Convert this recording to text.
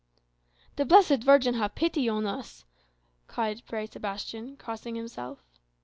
"The blessed Virgin have pity on us!" cried Fray Sebastian, crossing himself.